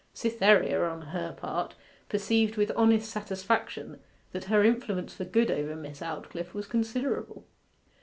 Cytherea, on her part, perceived with honest satisfaction that her influence for good over Miss Aldclyffe was considerable.